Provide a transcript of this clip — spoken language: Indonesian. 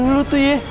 lo tuh ye